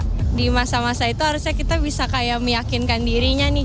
jadi masa masa itu harusnya kita bisa kayak meyakinkan dirinya nih